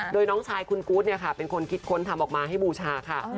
โดยน้องชายคุณกู๊ดเป็นคนคิดค้นทำออกมาให้บูชาค่ะ